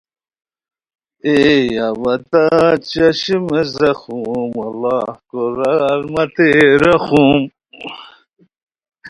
ائے اوا تہ چشمِ ذخم اللہ کورار متے رحم